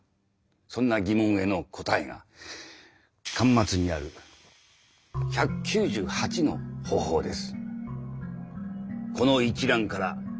そんな疑問への答えが巻末にある１９８の方法です。